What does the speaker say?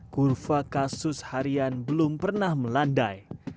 kurva kasus harian belum pernah melandai